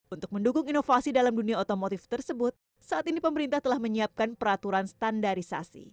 untuk mendukung inovasi dalam dunia otomotif tersebut saat ini pemerintah telah menyiapkan peraturan standarisasi